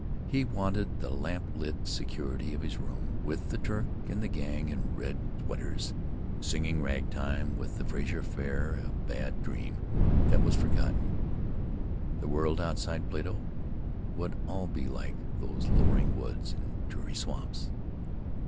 He wanted the lamp lit security of his room, with the Turk and the Gang in red sweaters, singing ragtime; with the Frazer affair a bad dream that was forgotten. The world outside Plato would all be like these lowering woods and dreary swamps.